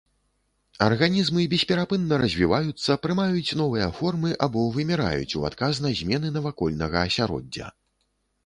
Арганізмы бесперапынна развіваюцца, прымаюць новыя формы або выміраюць ў адказ на змены навакольнага асяроддзя.